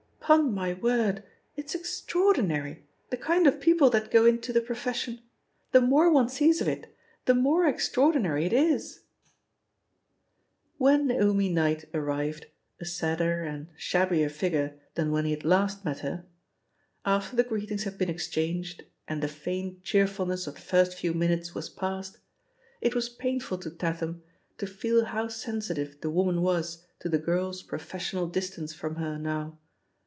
'Pon my word, it's extraordinary, the kind of people that go into the profession! the more one sees of it, the more extraordinary it is I" When Naomi Knight arrived, a sadder and a shabbier figure than when he had last met her — after the greetings had been exchanged and «70 THE POSITION OF PEGGY HARPER the feigned cheerfulness of the first few minutes was past — it was painful to Tatham to feel how sensitive the woman was to the girl's professional distance from her now.